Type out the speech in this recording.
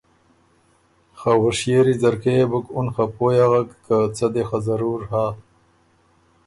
خه هوشئېری ځرکۀ يې بُک اُن خه پوی اغک که څۀ دې خه ضرور هۀ